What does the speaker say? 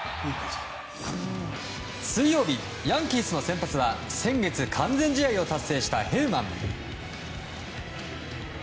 水曜日、ヤンキースの先発は先月、完全試合を達成したヘルマン。